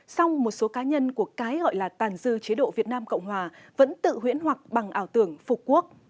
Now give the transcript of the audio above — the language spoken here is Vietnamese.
song một số cá nhân của cái gọi là tàn dư chế độ việt nam cộng hòa vẫn tự huyễn hoặc bằng ảo tưởng phục quốc